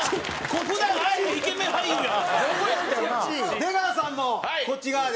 出川さんもこっち側で。